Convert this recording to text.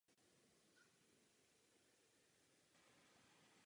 Většinou se jedná o horské druhy.